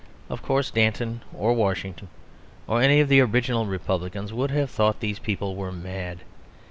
Of course Danton or Washington or any of the original republicans would have thought these people were mad.